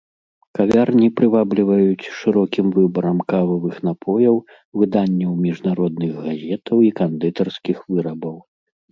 Кавярні прывабліваюць шырокім выбарам кававых напояў, выданняў міжнародных газетаў і кандытарскіх вырабаў.